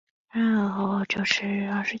贾让是西汉著名水利家。